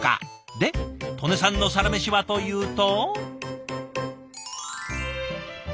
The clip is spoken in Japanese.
で刀祢さんのサラメシはというと？